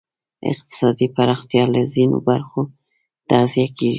اقتصادي پراختیا له ځینو برخو تغذیه کېږی.